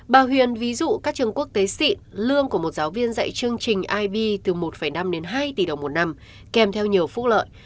bà huyền ví dụ các trường quốc tế sị lương của một giáo viên dạy chương trình ib từ một năm đến hai tỷ đồng một năm kèm theo nhiều phúc lợi